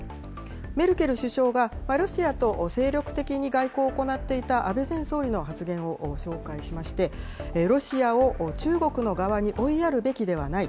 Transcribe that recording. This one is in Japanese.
メルケル首相が、ロシアと精力的に外交を行っていた安倍前総理の発言を紹介しまして、ロシアを中国の側に追いやるべきではない。